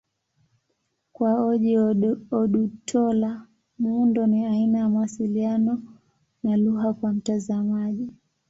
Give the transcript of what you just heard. Kwa Ojih Odutola, muundo ni aina ya mawasiliano na lugha kwa mtazamaji.